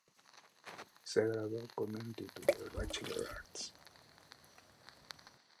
Se graduó con un título de Bachelor of Arts.